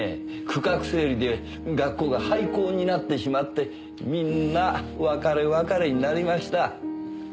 区画整理で学校が廃校になってしまってみんな別れ別れになりました。